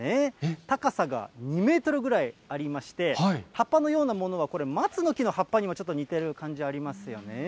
高さが２メートルぐらいありまして、葉っぱのようなものはこれ、松の木の葉っぱにも、ちょっと似ている感じありますよね。